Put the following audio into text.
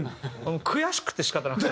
悔しくて仕方なくて。